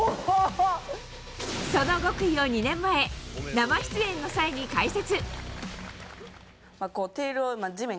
その極意を２年前生出演の際に解説。